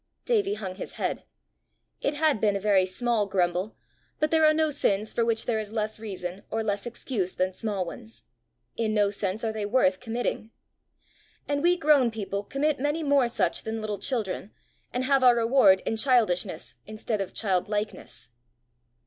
Davie hung his head. It had been a very small grumble, but there are no sins for which there is less reason or less excuse than small ones: in no sense are they worth committing. And we grown people commit many more such than little children, and have our reward in childishness instead of childlikeness.